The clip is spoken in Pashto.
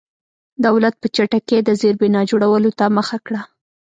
دولت په چټکۍ د زېربنا جوړولو ته مخه کړه.